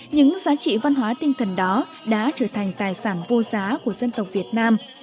những giá trị văn hóa tinh thần đó đã trở thành tài sản vô giá của dân tộc việt nam